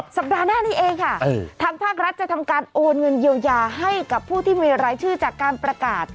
สัปดาห์หน้านี้เองค่ะทางภาครัฐจะทำการโอนเงินเยียวยาให้กับผู้ที่มีรายชื่อจากการประกาศ